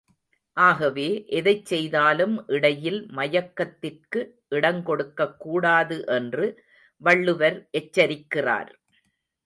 ஆகவே, எதைச் செய்தாலும் இடையில் மயக்கத்திற்கு இடங்கொடுக்கக் கூடாது என்று வள்ளுவர் எச்சரிக்கிறார்.